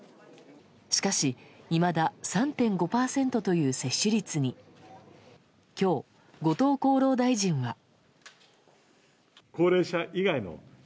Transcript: しかし、いまだ３．５％という接種率に今日、後藤厚労大臣は。